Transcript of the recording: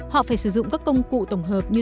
họ phải sử dụng các công cụ tổng hợp như